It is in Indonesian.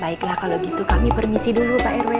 baiklah kalau gitu kami permisi dulu pak rw